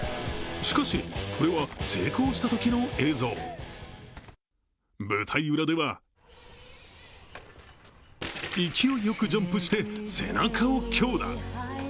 しかし、これは成功したときの映像舞台裏では勢いよくジャンプして背中を強打。